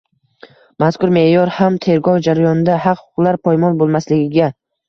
Mazkur me’yor ham tergov jarayonida haq-huquqlar poymol bo‘lmasligiga